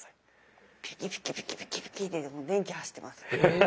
ピキピキピキピキピキッて電気走ってます。